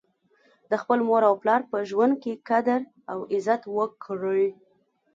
د خپل مور او پلار په ژوند کي قدر او عزت وکړئ